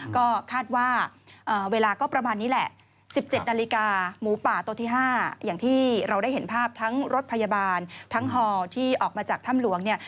ก็คาดว่าเวลาก็ประมาณนี้แหละ๑๗นาฬิกาหมูป่าตัวที่๕อย่างที่เราได้เห็นภาพทั้งรถพยาบาลทั้งฮอที่ออกมาจากถ้ำหลวงเนี่ย